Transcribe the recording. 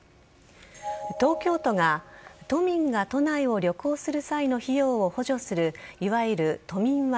東京都が都民が都内を旅行する際の費用を補助するいわゆる都民割